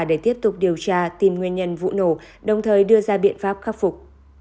để tiếp tục điều tra tìm nguyên nhân vụ nổ đồng thời đưa ra biện pháp khắc phục